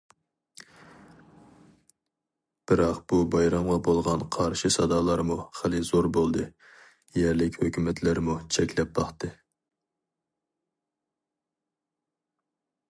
بىراق بۇ بايرامغا بولغان قارشى سادالارمۇ خېلى زور بولدى، يەرلىك ھۆكۈمەتلەرمۇ چەكلەپ باقتى.